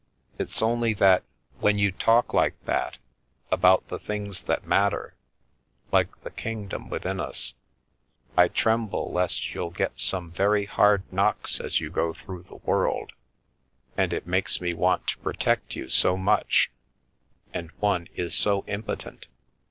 It's only that when you talk like that — about the things that matter, like the kingdom within us — I tremble lest you'll get some very hard knocks as you go through the world, and it makes me want to protect you so much, and one is so impotent.